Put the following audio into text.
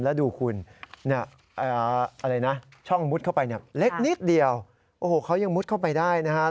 แล้วดูคุณช่องมุดเข้าไปเนี่ยเล็กนิดเดียวโอ้โหเขายังมุดเข้าไปได้นะครับ